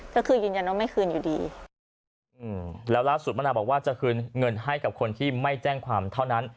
ก็คือยืนยันว่าไม่คืนอยู่ดีอืมแล้วล่าสุดมะนาวบอกว่าจะคืนเงินให้กับคนที่ไม่แจ้งความเท่านั้น